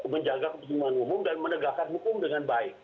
menjaga kepentingan umum dan menegakkan hukum dengan baik